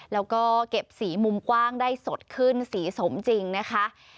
แล้วก็เก็บสีมุมกว้างได้สดขึ้นสีสมจริงนะคะ